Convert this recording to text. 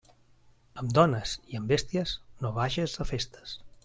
Amb dones i amb bèsties no vages a festes.